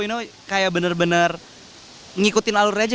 you know kayak bener bener ngikutin alurnya aja